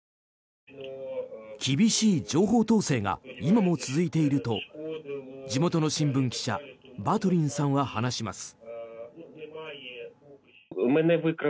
厳しい情報統制が今も続いていると地元の新聞記者バトゥリンさんは話します。